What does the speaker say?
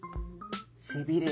背びれ。